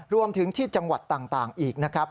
รวมถึงที่จังหวัดต่างอีกนะครับ